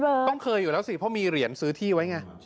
ต้องเคยอยู่แล้วสิเพราะมีเหรียญซื้อที่ไว้ไง